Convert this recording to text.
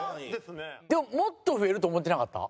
でももっと増えると思ってなかった？